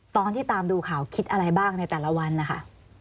ตอนที่ตามดูข่าวคิดอะไรบ้างในแต่ละวันนะคะ